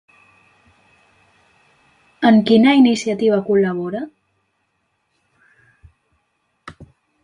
En quina iniciativa col·labora?